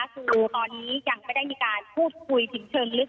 คือตอนนี้ยังไม่ได้มีการพูดคุยถึงเชิงลึก